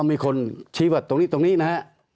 ก็มีคนชี้บัตรตรงนี้ตรงนี้นะครับ